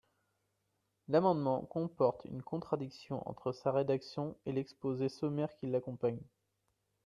L’amendement comporte une contradiction entre sa rédaction et l’exposé sommaire qui l’accompagne.